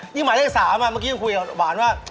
นี่หมายเลข๓เมื่อกี้ยังคุยกับหวานว่า